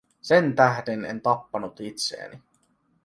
Sentähden en tappanut itseäni.